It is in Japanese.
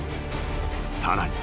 ［さらに］